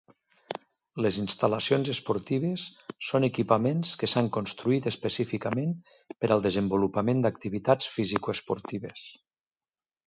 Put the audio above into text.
Les instal·lacions esportives són equipaments que s'han construït específicament per al desenvolupament d'activitats fisicoesportives.